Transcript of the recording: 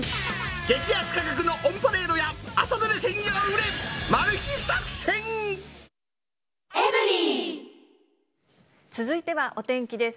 激安価格のオンパレードや、続いてはお天気です。